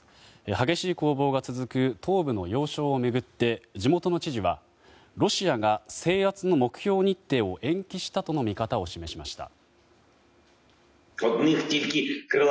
激しい攻防が続く東部の要衝を巡って地元の知事はロシアが制圧の目標日程を延期したとの見方を示しました。